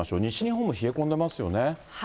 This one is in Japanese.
西日本も冷え込んでますよね。